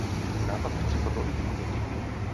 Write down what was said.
Nápad vytvořit fotbalový tým není špatný.